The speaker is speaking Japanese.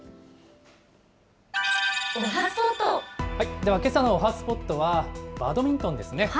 では、けさのおはＳＰＯＴは、バドミントンですね。